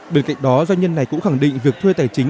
bên cạnh đó doanh nhân này cũng khẳng định việc thuê tài chính